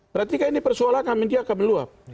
berarti kan ini persoalan dia akan meluap